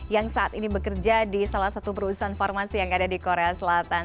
yang saat ini bekerja di salah satu perusahaan farmasi yang ada di korea selatan